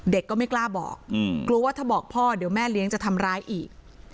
ก็ไม่กล้าบอกกลัวว่าถ้าบอกพ่อเดี๋ยวแม่เลี้ยงจะทำร้ายอีก